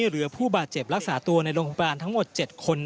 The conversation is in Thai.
เหลือผู้บาดเจ็บรักษาตัวในโรงพยาบาลทั้งหมด๗คน